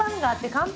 乾杯！